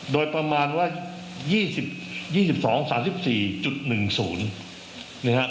โดยประมาณว่า๒๒๓๔๑๐นะครับ